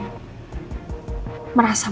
merasa menang sekarang